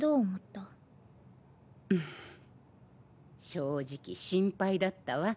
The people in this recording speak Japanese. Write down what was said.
正直心配だったわ。